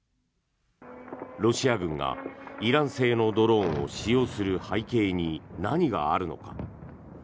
ロシア軍がイラン製のドローンを使用する背景に何があるのか。